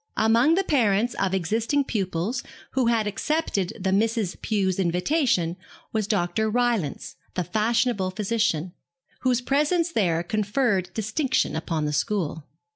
Among the parents of existing pupils who had accepted the Misses Pew's invitation was Dr. Rylance, the fashionable physician, whose presence there conferred distinction upon the school.